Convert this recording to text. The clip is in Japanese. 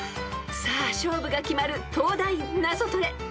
［さあ勝負が決まる東大ナゾトレ］